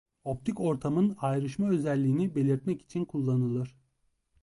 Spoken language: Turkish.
Optik ortamın ayrışma özelliğini belirtmek için kullanılır.